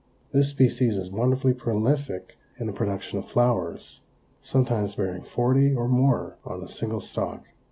This species is wonderfully prolific in the production of flowers, sometimes bearing forty or more on a single stalk.